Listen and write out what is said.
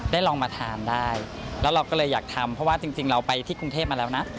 ลองมาทานได้แล้วเราก็เลยอยากทำเพราะว่าจริงเราไปที่กรุงเทพมาแล้วนะ